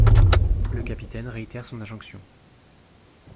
Le capitaine réitère son injonction.